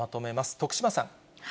徳島さん。